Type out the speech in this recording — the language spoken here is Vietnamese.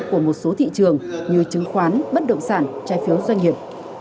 của một số thị trường như chứng khoán bất động sản trái phiếu doanh nghiệp